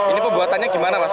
ini pembuatannya gimana mas